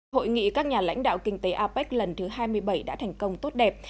hội nghị các nhà lãnh đạo kinh tế apec lần thứ hai mươi bảy đã thành công tốt đẹp